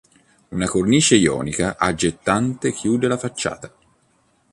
Una cornice ionica aggettante chiude la facciata.